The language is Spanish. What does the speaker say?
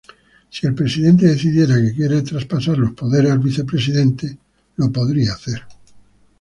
Si el presidente decidiera que quiere traspasar los poderes al Vicepresidente, lo podrá hacer.